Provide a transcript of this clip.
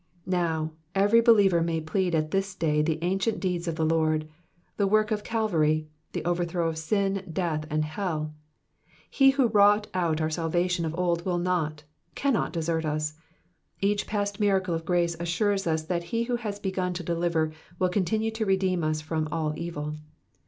Now, every believer may plead at this day the ancient deeds of the Lord, the work of Calvary, the over throw of sin, death, and hell. He who wrought out our salvation of old will not, cannot desert us now. Each past miracle of grace assures us that he who has begun to deliver will continue to redeem us from all evil.